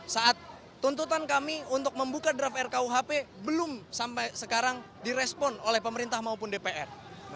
saat tuntutan kami untuk membuka draft rkuhp belum sampai sekarang direspon oleh pemerintah maupun dpr